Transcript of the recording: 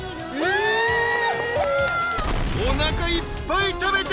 ［おなかいっぱい食べて］